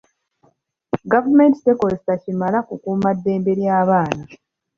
Gavumenti tekoze kimala kukuuma ddembe ly'abaana.